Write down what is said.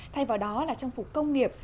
thay vào đó là trang phục công nghiệp